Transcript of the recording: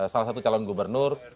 salah satu calon gubernur